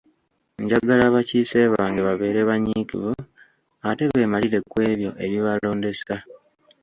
Njagala abakiise bange babeere banyiikivu ate beemalire ku ebyo ebyabalondesa.